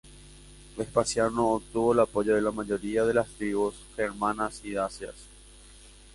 Vespasiano obtuvo el apoyo de la mayoría de de las tribus germanas y dacias.